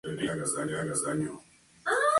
Ver para una definición matemática completa.